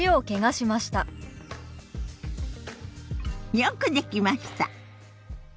よくできました。